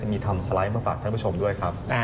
มีทำสไลด์มาฝากท่านผู้ชมด้วยครับ